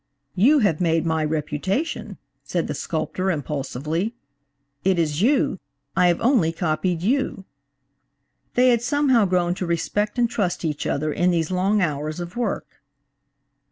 "You have made my reputation," said the sculptor impulsively. "It is you! I have only copied you!" They had somehow grown to respect and trust each other in these long hours of work.